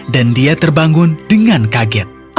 dan dia terbangun dengan kaget